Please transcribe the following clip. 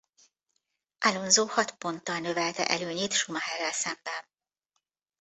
Alonso hat ponttal növelte előnyét Schumacherrel szemben.